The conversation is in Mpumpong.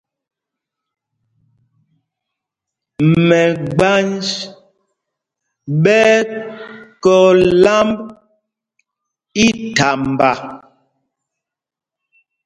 Mɛgbanj ɓɛ́ ɛ́ tɔ̄ lámb íthamba.